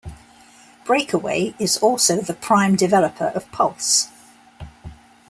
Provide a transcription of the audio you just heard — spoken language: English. BreakAway is also the prime developer of Pulse!!